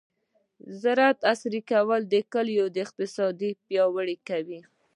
د زراعت عصري کول د کلیو اقتصاد پیاوړی کوي.